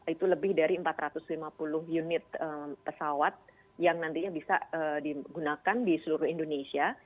itu lebih dari empat ratus lima puluh unit pesawat yang nantinya bisa digunakan di seluruh indonesia